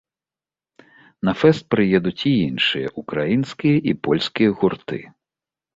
На фэст прыедуць і іншыя ўкраінскія і польскія гурты.